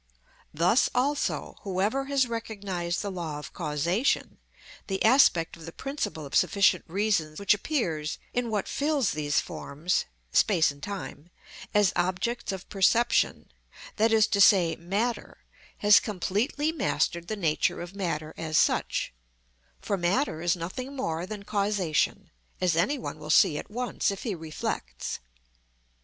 Thus also, whoever has recognised the law of causation, the aspect of the principle of sufficient reason which appears in what fills these forms (space and time) as objects of perception, that is to say matter, has completely mastered the nature of matter as such, for matter is nothing more than causation, as any one will see at once if he reflects.